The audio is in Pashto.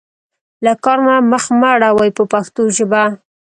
له کار نه مخ مه اړوئ په پښتو ژبه.